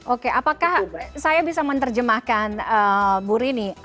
oke apakah saya bisa menerjemahkan buri nih